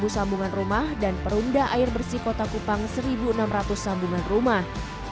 satu sambungan rumah dan perumda air bersih kota kupang satu enam ratus sambungan rumah